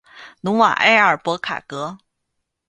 努瓦埃尔博卡格。